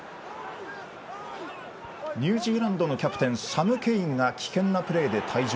ニュージーランドのキャプテンサム・ケインが危険なプレーで退場。